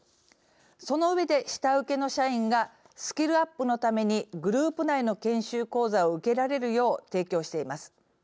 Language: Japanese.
その上で、下請けの社員がスキルアップのためにグループ内の研修講座を受けられるよう提供しています。